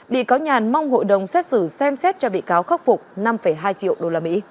bị cáo nhàn mong hội đồng xét xử xem xét cho bị cáo khắc phục năm hai triệu usd